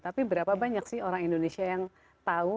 tapi berapa banyak sih orang indonesia yang tahu